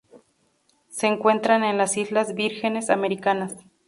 Se encuentran en las Islas Vírgenes Americanas.